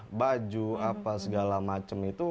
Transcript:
masalah baju apa segala macem itu